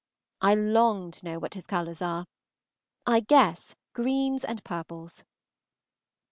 I long to know what his colors are. I guess greens and purples.